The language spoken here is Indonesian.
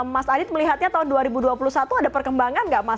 mas adit melihatnya tahun dua ribu dua puluh satu ada perkembangan nggak mas